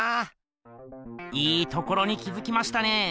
いいところに気づきましたね。